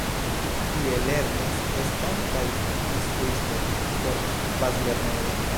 Tie lernis estontaj instruistoj por bazlernejoj.